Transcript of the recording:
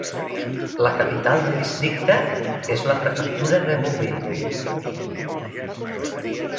La capital de districte és la prefectura de Beauvais.